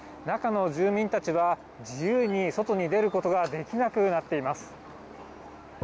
中の住民たちは、自由に外に出ることができなくなっています。